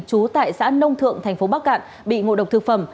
trú tại xã nông thượng thành phố bắc cạn bị ngộ độc thực phẩm